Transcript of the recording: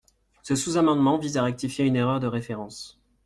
Ce sous-amendement vise à rectifier une erreur de référence.